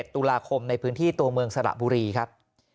ตุลาคมในพื้นที่ตัวเมืองสระบุรีครับ